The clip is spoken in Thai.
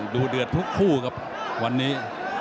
ดูเดือดทุกคู่ครับวันนี้